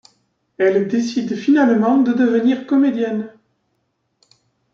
Elle décide finalement de devenir comédienne.